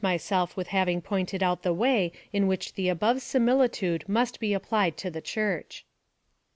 413 myself with having pointed out the way in which the above similitude must be applied to the Church.